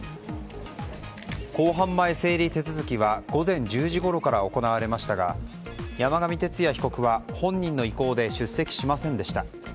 公判前整理手続きは午前１０時ごろから行われましたが山上徹也被告は本人の意向で出席しませんでした。